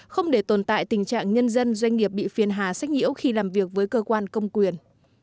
không để tồn tại tình trạng nhân dân doanh nghiệp bị phiền hà sách nhiễu khi làm việc với cơ quan công quyền